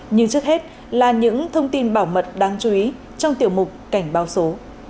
nhưng trước hết là những thông tin bảo mật đáng chú ý trong tiểu mục cảnh báo số